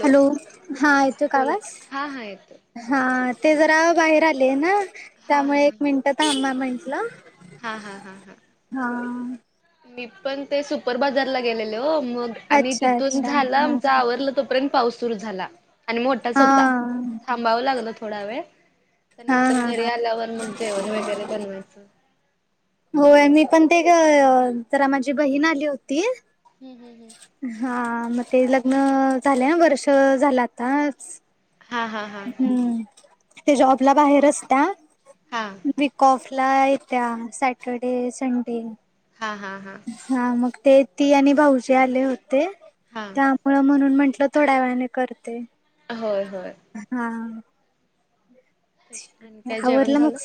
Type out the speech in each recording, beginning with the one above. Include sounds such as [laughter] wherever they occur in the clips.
Hello हा यऐेतोय बोला आवाज, हा हा येतो हा ते जरा बाहेर आले ना हा हा त्यामुळे एक हा मिनटत आमा म्हटलं. हा हा हा हा मी पण ते सुपर बाजारला गेलेले हो मग, आणि अच्छा तिथून अच्छा झालं हा आमच हा आवरलं. तोपर्यंत पाऊस सुरू झाला आणि मोठाच हा होता थांबाव लागला थोडा वेळ, हा त्यानंतर हा घरी हा आल्यावर मग जेवण वगैरे बनवायचं. होय मी पण ते जरा माझी बहीण आली होती. हम् हम् हम हा मग ते लग्न झाले वर्ष झालं आता, हा हा हा हम्म ते जॉबला बाहेर असत. हा वीक ऑफला येत्या सॅटरडे संडे. हा हा हा हा मग ते ती आणि भाऊजी आले होते त्या मु म्हणून म्हंटलं थोड्या वेळाने करते. होय होय. हा आणि काय जेवण आवरडलं झालं मग,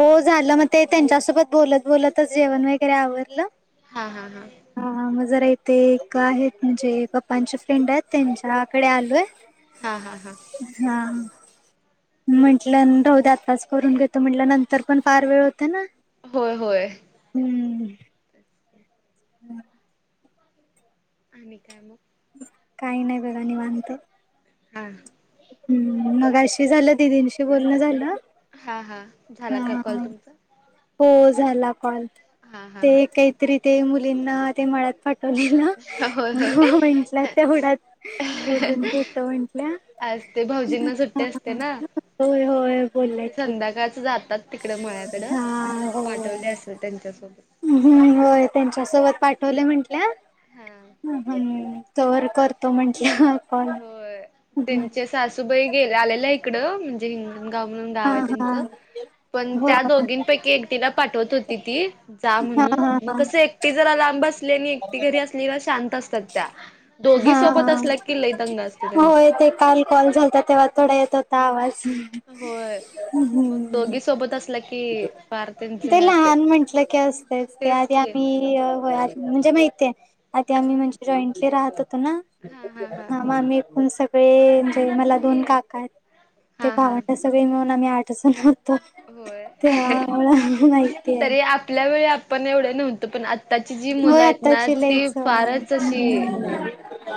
हो झालं मग ते त्यांच्यासोबत बोलत बोलतच जेवण वगैरे आवरलं. हा हा हा हा मग जरा इथे एक आहेत म्हणजे पप्पांचे फ्रेंड आहेत त्यांच्याकडे आलोय. हा हा हा हा म म्हट राह द्या आत्ताच करून घेतो म्हटलं नंतर पण फार वेळ होते ना. होय होय. हम्म हम् आणि काय मग काही नाही बगा निवांत. हा हम् मग अशी झालं दिदींशी बोलणं झालं. हा हा झाला का कॉल हा तुमचा? हो झाला कॉल हा हा ते हा काहीतरी ते मुलींना ते मळ्यात फट ला होय होय म्हटलं तेवढ बोलून घेतो म्हंटल्या असते भाऊजींना सुट्टी असते ना, होय होय मग बोलल्या ते की. संध्याकाळच जातात. तिकडं मळ्याकड हा म त्यांना होय. पाठवले असल त्यांच्यासोबत. हम्म होय त्यांच्यासोबत पाठवले म्हंटल्या हा हम् तोवर बोलतो म्हणल्या. होय त्यांच्या सासूबाई गे आलेल्या इकडं म्हणजे हिंग गाव म्हणून हा गाव आहे हा त्यांचं. पण हो त्या हा दोघींपैकी एकटीला पाठवत होती ती जा हा म्हणून मग हा कस एक ती जर अ लांब असली आणि एकटी घरी असली तर शांत असतात त्या दोघी सोबत असल्या की लई दंगा असतो हो त्यांचा. य ते काल कॉल झालता तेव्हा थोडा येत होता आवाज. होय ह मग हम्म दोघी सोबत असलं की, फार त्यांच हे ते असते लहान म्हंटलं की असत ते, तेच आधी की आम्ही म्हणजे माहितय आधी आम्ही म्हणजे जॉईंटली राहत होतो ना? हा हा हा ह मम एकूण सगळे म्हणजे मला दोन काका आहेत ते हा हा भावन सगळी मिळून आम्ही आठ जन होतो. होय त्या मूळ माहिताय. तरी आपल्या वेळी आपण एवढं नव्हतं पण आत्ताची जी होय मुलं आहेत ना आत्ताची ती लईच [inaudible] फारच अशी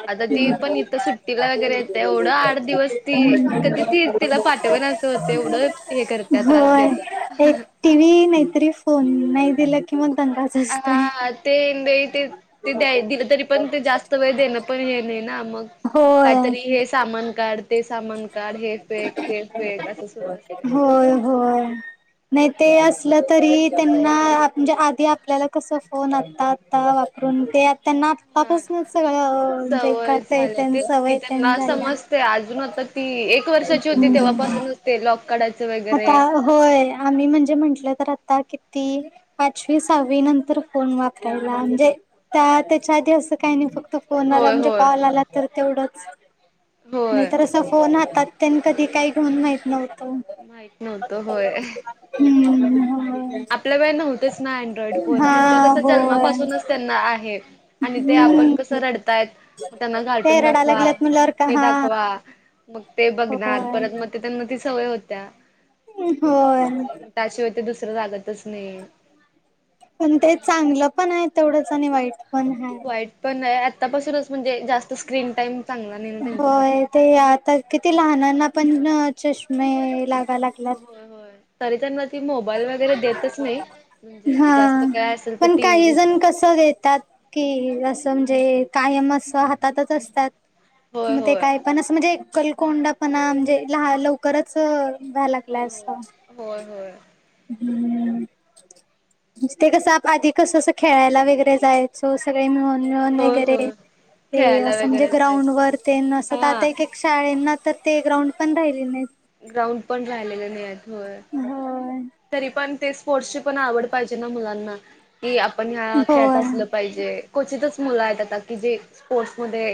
आता ती पण इथं सुट्टीला वगैरे येते एवढं आठ दिवस ती कधी ती तिला पाठवण असं होते एवढं हे करत्या त्रास होय देत्या एक टी व्ही नाहीतरी फोन नाही दिला कि मग दंगाच. असतोय हा ते ते ते द दिलं तरी पण ते जास्त वे देण पण हे नाही ना मग होय काहीतरी हे सामान काढ ते सामान का कार हे फेक ते फेक असं सुरू असते. होय होय नाही ते असलं तरी त्यांना म्हणजे आधी आपल्याला कस फोन आत्ता आता पून ते आ त्यांना हा आतापासून सगळं म्हणजे सवय कता येत झालं आणि तेच की सवयेत आणि त्यांना झाल्या. समजते अजून आता ती एक वर्षाची होती तेव्हापासूनच ते लॉक काढायचं वगैरे आता होय, आम्ही म्हणजे म्हंटलं तर आता किती पाचवी, सहावी नंतर फोन वापरायला म्हणजे त्या त्याच्या आधी असं काही नाही फक्त फोन आला होय म्हणजे होय कॉल आला तर तेवढच नाही होय तर फोन हातात त्यांनी कधी काही घेऊन माहित नव्हतं. माहीत नव्हत होय. हम्म हम्म आपल्या वे नव्हतेच ना अँड्रॉइड फोन त्यांच्या हा कस होय. जन्मापासूनच त्यांना आहे. आणि ते आपण हम्म कसं रडतायत मग त्यांना ते कार्टून रडायला दाखवा लागल्यात म्हणल्यावर का हे हा दाखवा. मग ते बघणार होय. परत मग ते त्यांना ती सवय होत्या की होय बघायचंय. त्याशिवाय ते दुसरं लागतच नाही. पण ते चांगलं पण आहे तेवढंच आणि वाईट पण आहे. वाईट पण आतापासूनच म्हणजे जास्त स्क्रीन टाइम चांगला नाही ना त्यांच्यासाठी. ये आता. किती लहानांना पण चष्मे लाग हो होय तरी त्यांना ती मोबाईल वगैरे देतच नाही म्हणजे जास्त काय असेल तर टीव्ही. देतात की असं म्हणजे कायम अस हातातच असतात. होय म ते होय. काय? पण असं म्हणजे कलकोंडापणा म्हणजे लहा लवकरच व्हायला लागलाय होय अस. होय होय होय हम्म [inaudible] ते कसं आप आधी कसं असं खेळायला वगैरे जायचो सगळे मिळून. रण होय वगैरे होय ते खेळायला अस म्हणजे वगैरे ग्राउंड जायचं ते वर. हा शाळेना तर ते ग्राउंड पण राहिले नाही. ग्राउंड पण राहिलेले नाही होय होय तरी पण तेच. स्पोर्टसची पण आवड पाहिजे ना मुलांना की आपण ह्या खेळत होय असलं पाहिजे. क्वचितच मुलं आहेत आता की जे स्पोर्टस मध्ये.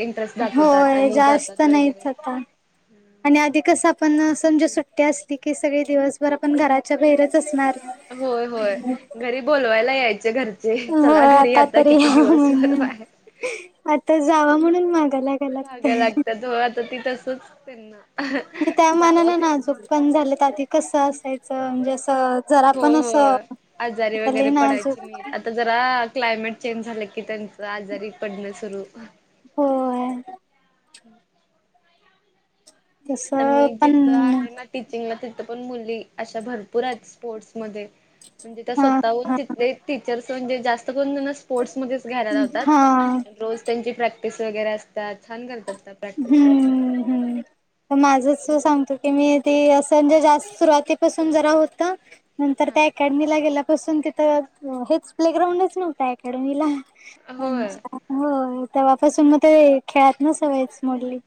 होय जास्त नाहीच आता. आणि आधी कस आपण समजा सुट्टी असली की सगळी दिवसभर आपण घराच्या बाहेरच असणार. होय होय घरी बोलवायला यायचे घर. चला होय घरी आता तरी किती दिवसभर म्हणून बाहेर. आता जावा म्हणून माग लाग. माग लागतात होय आता ती तसच त्यांना. म्हणजे त्या मनान जावा काय नाजूक पण झाललेत आधी कसं असायचं म्हणजे असं. जरा हो पण हो असं आजारी आता लय वगैरे पडायचे नाजूक नाही. आता जरा क्लायमेट चेंज झालं की त्यांच आजारी पडणं सुरू होत. होय. तस तर मी पण. जिथं आहे ना टीचिंगला तिथं पण मुली अशा भरपूर आहेत स्पोर्ट्समध्ये. म्हणजे त्या हा स्वतःहून हा तिथले टीचर्स म्हणजे जास्त कोण कोण अस स्पोर्ट्समध्येच घ्यायला लावतात हा रोज त्यांची प्रॅक्टिस वगैरे असतात छान करतात. प्रॅक्टिस पण हम्म हम्म तर माझच सांगतो की मी ते अस म्हणजे जास्त सुरुवातीपासून जरा होत नंतर त्या हा अकॅडमीला गेल्यापासून तिथं हेच प्ले ग्राउंडच नव्हत अकॅडमीला. होय हो तेव्हापासून मग ते खेळायच सवयच मोडलय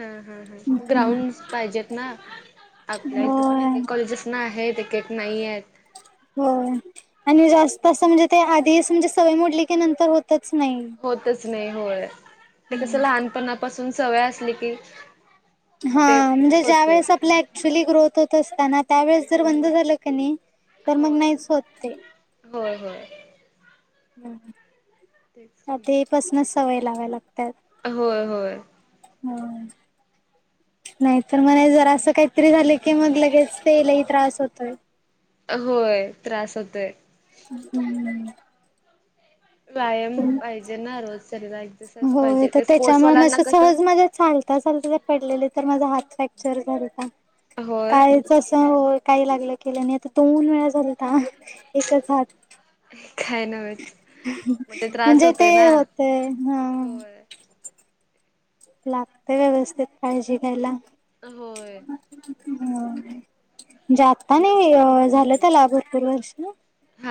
हा हा हा ग्राउंड पाहिजेत ना आपल्या इथं पण एक होय कॉलेजेस नाहे तिकेट नाही आहेत हो आणि जास्त असं म्हणजे ते आधी म्हणजे सवय मोडली की नंतर होतच नाही. होतच नाही होय ते कस लहानपणापासून सवय असली की. हा ते म्हणजे ज्या होते. वेळेस आपल्या. क्च्युली ग्रोथ होत असताना त्यावेेळेस जर बंद झालं कनी तर मग होय नाहीच होत ते. होय होय हम तेच हम की. आधीपासूनच सवय लावाय लागतात. होय होय हम्म नाही पण मला जर असं काहीतरी झालं की मग लगेच लई त्रास होतोय होय त्रास होतोय. हम् [unintelligible] व्यायाम पाहिजे ना रोज सकाळी हो तर त्याच्यामुळे मी अस सहज मजा चालते ला पडलेले तर माझा हात फ्रॅक्चर झालाता होय काय हो काही लागलं केलं नाही आता दोन वेळा झाल आता एकच हात काय नव्हेच मग ते त्रास म्हणजे ते होतोय ना. तय हा होय लागतेय व्यवस्थित काळजी घ्यायला. होय म्हणजे आता नाही झालं त्याला भरपूर वर्ष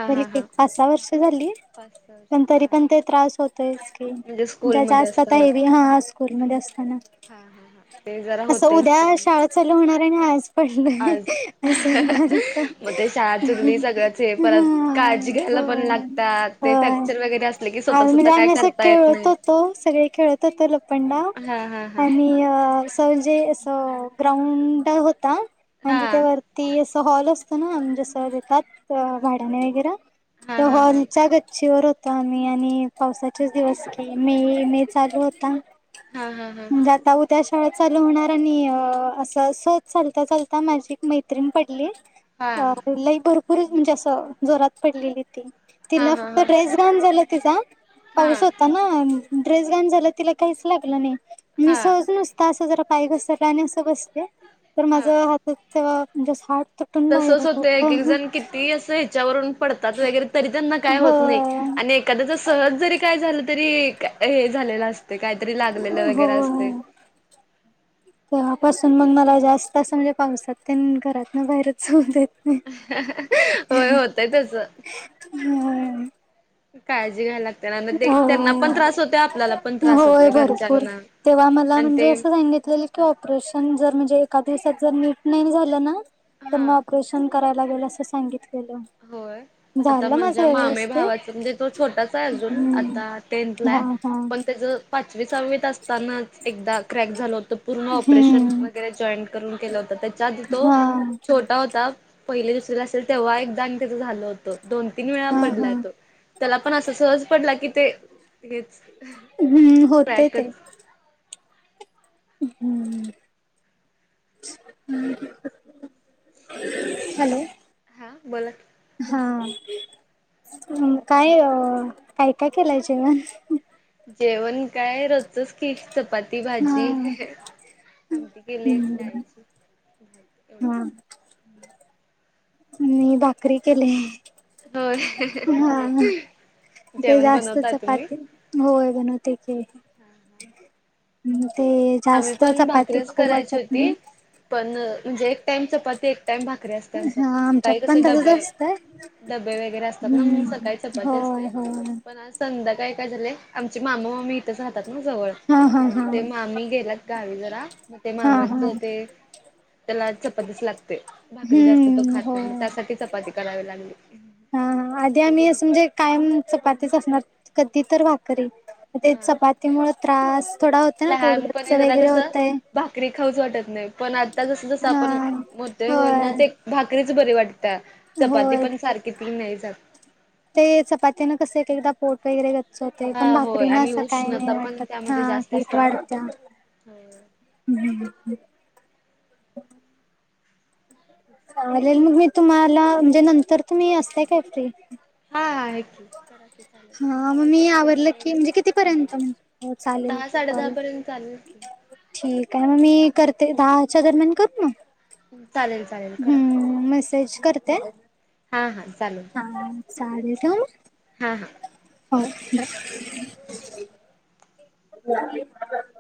झाली कि पाच सहा वर्ष झाली पास पण तरी पण ते त्रास होतय च की म्हणजे स्कूलमध्ये जास्त आता असताना काय? हेवी हा अस स्कुल मध्ये असताना हा हा हा ते जरा असं होतय उद्या स्कूलमध्ये शाळा चालू होणार आणि आज पडलंय आज अस झालत मग ते शाळा ह चुकली सगळंच हे परत हा काळजी घ्यायला पण होय लागतात ते होय फ्रॅक्चर वगैरे असले की स्वतः आज स्वतः म्हणजे काय आम्ही अस करता येत खेळत नाही. होतो सगळे खेळत होतो लप पंडाव हा हा हा आणि अस म्हंजे अस ग्राउंड होता आणि हा तिथे वरती असं हॉल असतो ना म्हंजे जसं देतात भाड्याने वगैरे हा त्या हा हा हॉलच्या गच्चीवर हो त आम्ही आणि पावसाचेच दिवस की मे मे चालू होता हा हा हा म्हंजे आता उत - त्या शाळा चालू होणार आणि असं सहज चालता चालता माझी एक मैत्रीण पडली हा अ लई भरपूर म्हणजे असं जोरात पडलेली ती हा हा तिला फक्त हा ड्रेस घाण झाला तिचा हा पाऊस होता ना ड्रेस घाण झाला तिला काहीच लागलं नाही मी हा सहज नुसता असं जरा पाय घसरला आणि असं बसले तर हा माझं हातात ते म्हणजे हाड तसच होतंय एक एक जण किती असं हे च्यावरून पडतात वगैरे तरी त्यांना काय होत नाही होय आणि एक - एखाद्याच सहज जरी काय झालं तरी हे झालेलं अस हो हो तेव्हापासून मग तसंच मला जास्त असं म्हणजे पावसात तेन घरातन बाहेरच जाऊन देत नाही होय होतय तसं. हम् काळजी घ्यायला ना मग ते का त्यांना पण त्रास होतोय आपल्याला पण हो त्रास होय होतोय भरपूर घरच्यांना तेव्हा मला आणि म्हणजे ते असं सांगितलेल की ऑपरेशन जर म्हणजे एका दिवसात जर नीट नाही झालं ना तर हा मग ऑपरेशन करा लागेल असं होय सांगितलेलं आता झालं माझं माझ्या मामे व्यवस्थित भावाचं म्हणजे तो छोटाच आहे अजून हम्म आता हा टेंथलाय - हा पण त्याच पाचवीसावीत असतानाच एकदा क्रॅक झाल होत पूर्ण ऑपरेशन हम्म वगैरे जॉईंट करून केल होत त्याच्या आधी तो हा छोटा होता पहिली दुसरीत असेल तेव्हा एकदा आणि त्याचं झालं होतं दोन तीन वेळा हा हा पडलाय तो त्याला पण असं सहज पडला की ते हेच हम्म होतय ते क्रॅकच हम्म [unintelligible] [inaudible] हॅलो हा बोला हा काय काय काय केलाय जेवण जेवण काय रोजचच की चपाती हा भाजी आमटी केलीय हम्म डाळीची हा एवढंच मी भाकरी केले होय हा ते जेवण जास्त बनवता तुम्ही चपाती होय बनवते की म ते आम्ही जास्त पण चपाती भाकरीच खाऊ करायची वाटत होती नाही पण म्हणजे एक टाइम चपाती एक टाइम भाकरी अस त्या आमच्यात हा पण सकाळी कस पण तसच डबे असतंय डबे वगैरे असतात ना मग हम्म सकाळी चपाती होय असते होय. पण आज संध्या काळी काय झालय आमचे मामा मामी इथेच राहतात ना जवळ हा हा मग हा ते मामी गेल्यात गावी जरा मग ते हा हा मामाचं ते त्याला चपातीच लागतय भाकरी जास्त तो हम्म खात नाही म होय. त्यासाठी चपाती करावी लागली. हा आधी आम्ही असं म्हणजे कायम चपातीच असणार कधी तर भाकरी. ते हा चपातीमुळ त्रास थोडा होता ना पोट गच्च लहानपणी जरा वगैरे कसं होतय. भाकरी खाऊच वाटत नाही पण आता जसं जसं हा आपण मोठे होईल ना होय ते भाकरीच बरी वाटत चपाती होय पण सारखी तरी नाही जात. ते चपात्यानं कसं एक एकदा पोट वगैरे होते हा पण होय भाकरी ना आणि असं काही उष्णता पण नाही हा त्यामध्ये जास्त हीट असते ना. वाढत्या. हम्. चालेल मग मी तुम्हाला म्हणजे नंतर तुम्ही असताय काय फ्री? हा हा आहे की. करा चालू हा दहा मग मी आवरलं की वाजेपर्यंत म्हणजे कितीपर्यंत हो चालेल दहा साडे दहा कॉल पर्यंत चालू [unintelligible] ठीक आहे मग मी करते दहाच्या दरम्यान करू का? चालेल चालेल करा. हम्म मेसेज करते. हा हां चालेल. हा चालेल ठेवू हा हा मग बाय. ह [inaudible]